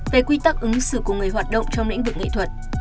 về quy tắc ứng xử của người hoạt động trong lĩnh vực nghệ thuật